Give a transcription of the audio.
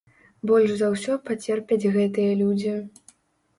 Больш за ўсё пацерпяць гэтыя людзі.